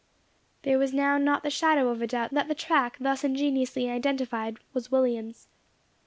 There was now not the shadow of a doubt that the track thus ingeniously identified was William's.